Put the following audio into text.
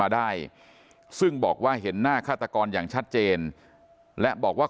ได้ซึ่งบอกว่าเห็นหน้าฆาตกรอย่างชัดเจนและบอกว่า